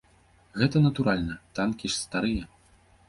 Гэта натуральна, танкі ж старыя.